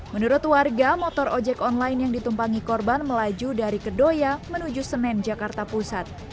menurut warga motor ojek online yang ditumpangi korban melaju dari kedoya menuju senen jakarta pusat